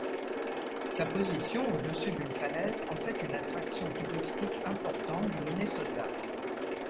Sa position au-dessus d'une falaise en fait une attraction touristique importante du Minnesota.